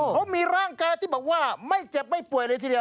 เขามีร่างกายที่บอกว่าไม่เจ็บไม่ป่วยเลยทีเดียว